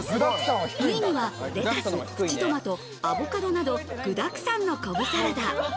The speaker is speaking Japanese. ２位にはレタス、プチトマト、アボカドなど具沢山のＣＯＢＢサラダ。